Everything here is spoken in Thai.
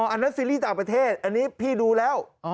อันนั้นซีรีส์ต่างประเทศอันนี้พี่ดูแล้ว